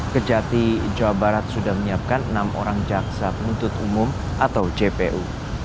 kejati jawa barat sudah menyiapkan enam orang jaksa penuntut umum atau jpu